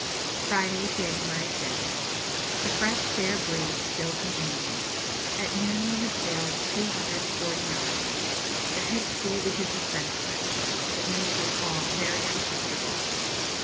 Friday, January 5th. The fresh fair breeze still continues. At noon we had sailed 240 knots. The head sea we could dispense with, as it makes us all very uncomfortable.